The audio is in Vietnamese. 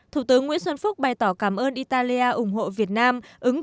thủ tướng nguyễn xuân phúc bày tỏ cảm ơn italia ủng hộ việt nam ứng